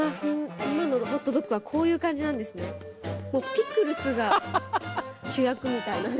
ピクルスが主役みたいな。